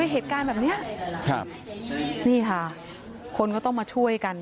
เหตุการณ์แบบนี้ครับนี่ค่ะคนก็ต้องมาช่วยกัน